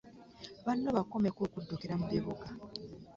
Banobbakome okuddukira mu bibuga